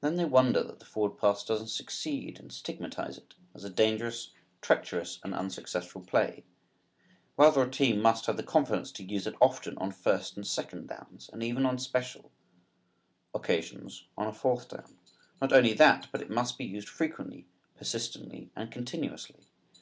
And then they wonder that the forward pass doesn't succeed and stigmatize it as a dangerous, treacherous and unsuccessful play! Rather a team must have the confidence to use it often on first and second downs, and even on special, occasions on a fourth down. Not only that, but it must be used frequently, persistently and continuously.